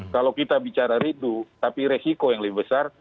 kalau kita bicara ridu tapi resiko yang lebih besar